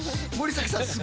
森崎さん